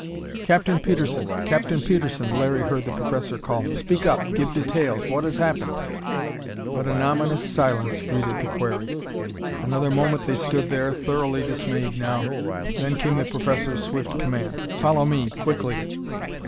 "Captain Petersen! Captain Petersen!" Larry heard the professor call. "Speak up! Give details! What has happened?" But an ominous silence greeted the query. Another moment they stood there, thoroughly dismayed now. Then came the professor's swift command: "Follow me quickly!"